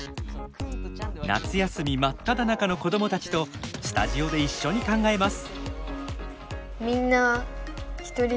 夏休み真っただ中の子供たちとスタジオで一緒に考えます。